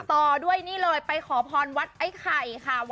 ต่อด้วยนี่เลยไปขอพรวัดไอ้ไข่ค่ะ